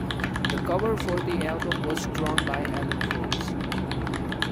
The cover for the album was drawn by Alan Forbes.